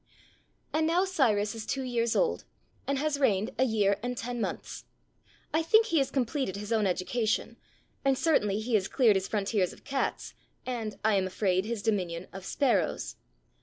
And now Cyrus is two years old, and has reigned a year and ten months. I think he has completed his own education, and certainly he has cleared his frontiers of cats, and, I am afraid, his dominion of sparrows.